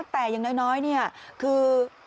แต่อย่างน้อยคือ